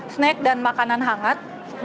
snek dan makanan hangat